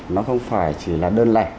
nó không phải chỉ là đơn lẻ